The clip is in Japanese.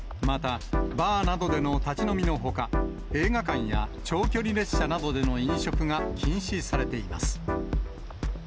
また、バーなどでの立ち飲みのほか、映画館や長距離列車などでの飲食が禁止されています。